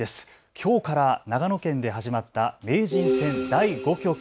きょうから長野県で始まった名人戦第５局。